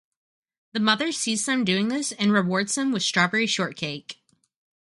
The mother sees them doing this and rewards them with strawberry shortcake.